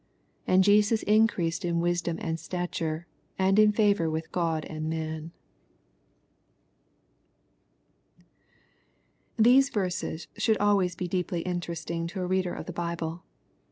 62 And Jesus increased in wisdom and stature, and in &vor with God and man. These verses should always be deeply interesting to a reader of the Bible.